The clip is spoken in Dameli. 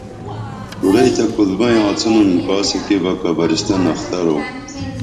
کُرئی تہ کُل بئیں آڅینُن کاسہ کی بہ قبرستن اخترو